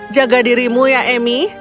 jaga dirimu ya emi